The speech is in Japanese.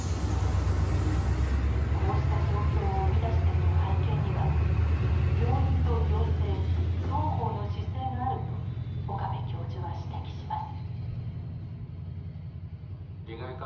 こうした状況を生み出している背景には病院と行政双方の姿勢があると岡部教授は指摘します。